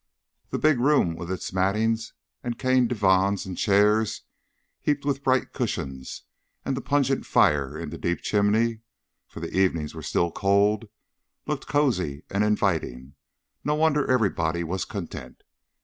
The big room with its matting and cane divans and chairs, heaped with bright cushions, and the pungent fire in the deep chimney for the evenings were still cold looked cosey and inviting; no wonder everybody was content.